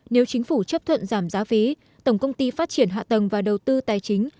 nếu chính phủ chấp thuận giảm giá phí tổng công ty phát triển hạ tầng và đầu tư tài chính